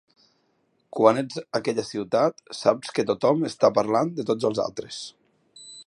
Quan ets a aquella ciutat, saps que tothom està parlant de tots els altres.